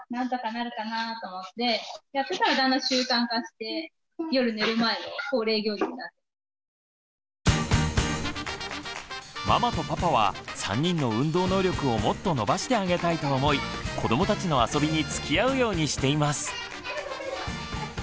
で最初はママとパパは３人の運動能力をもっと伸ばしてあげたいと思い子どもたちの遊びにつきあうようにしています。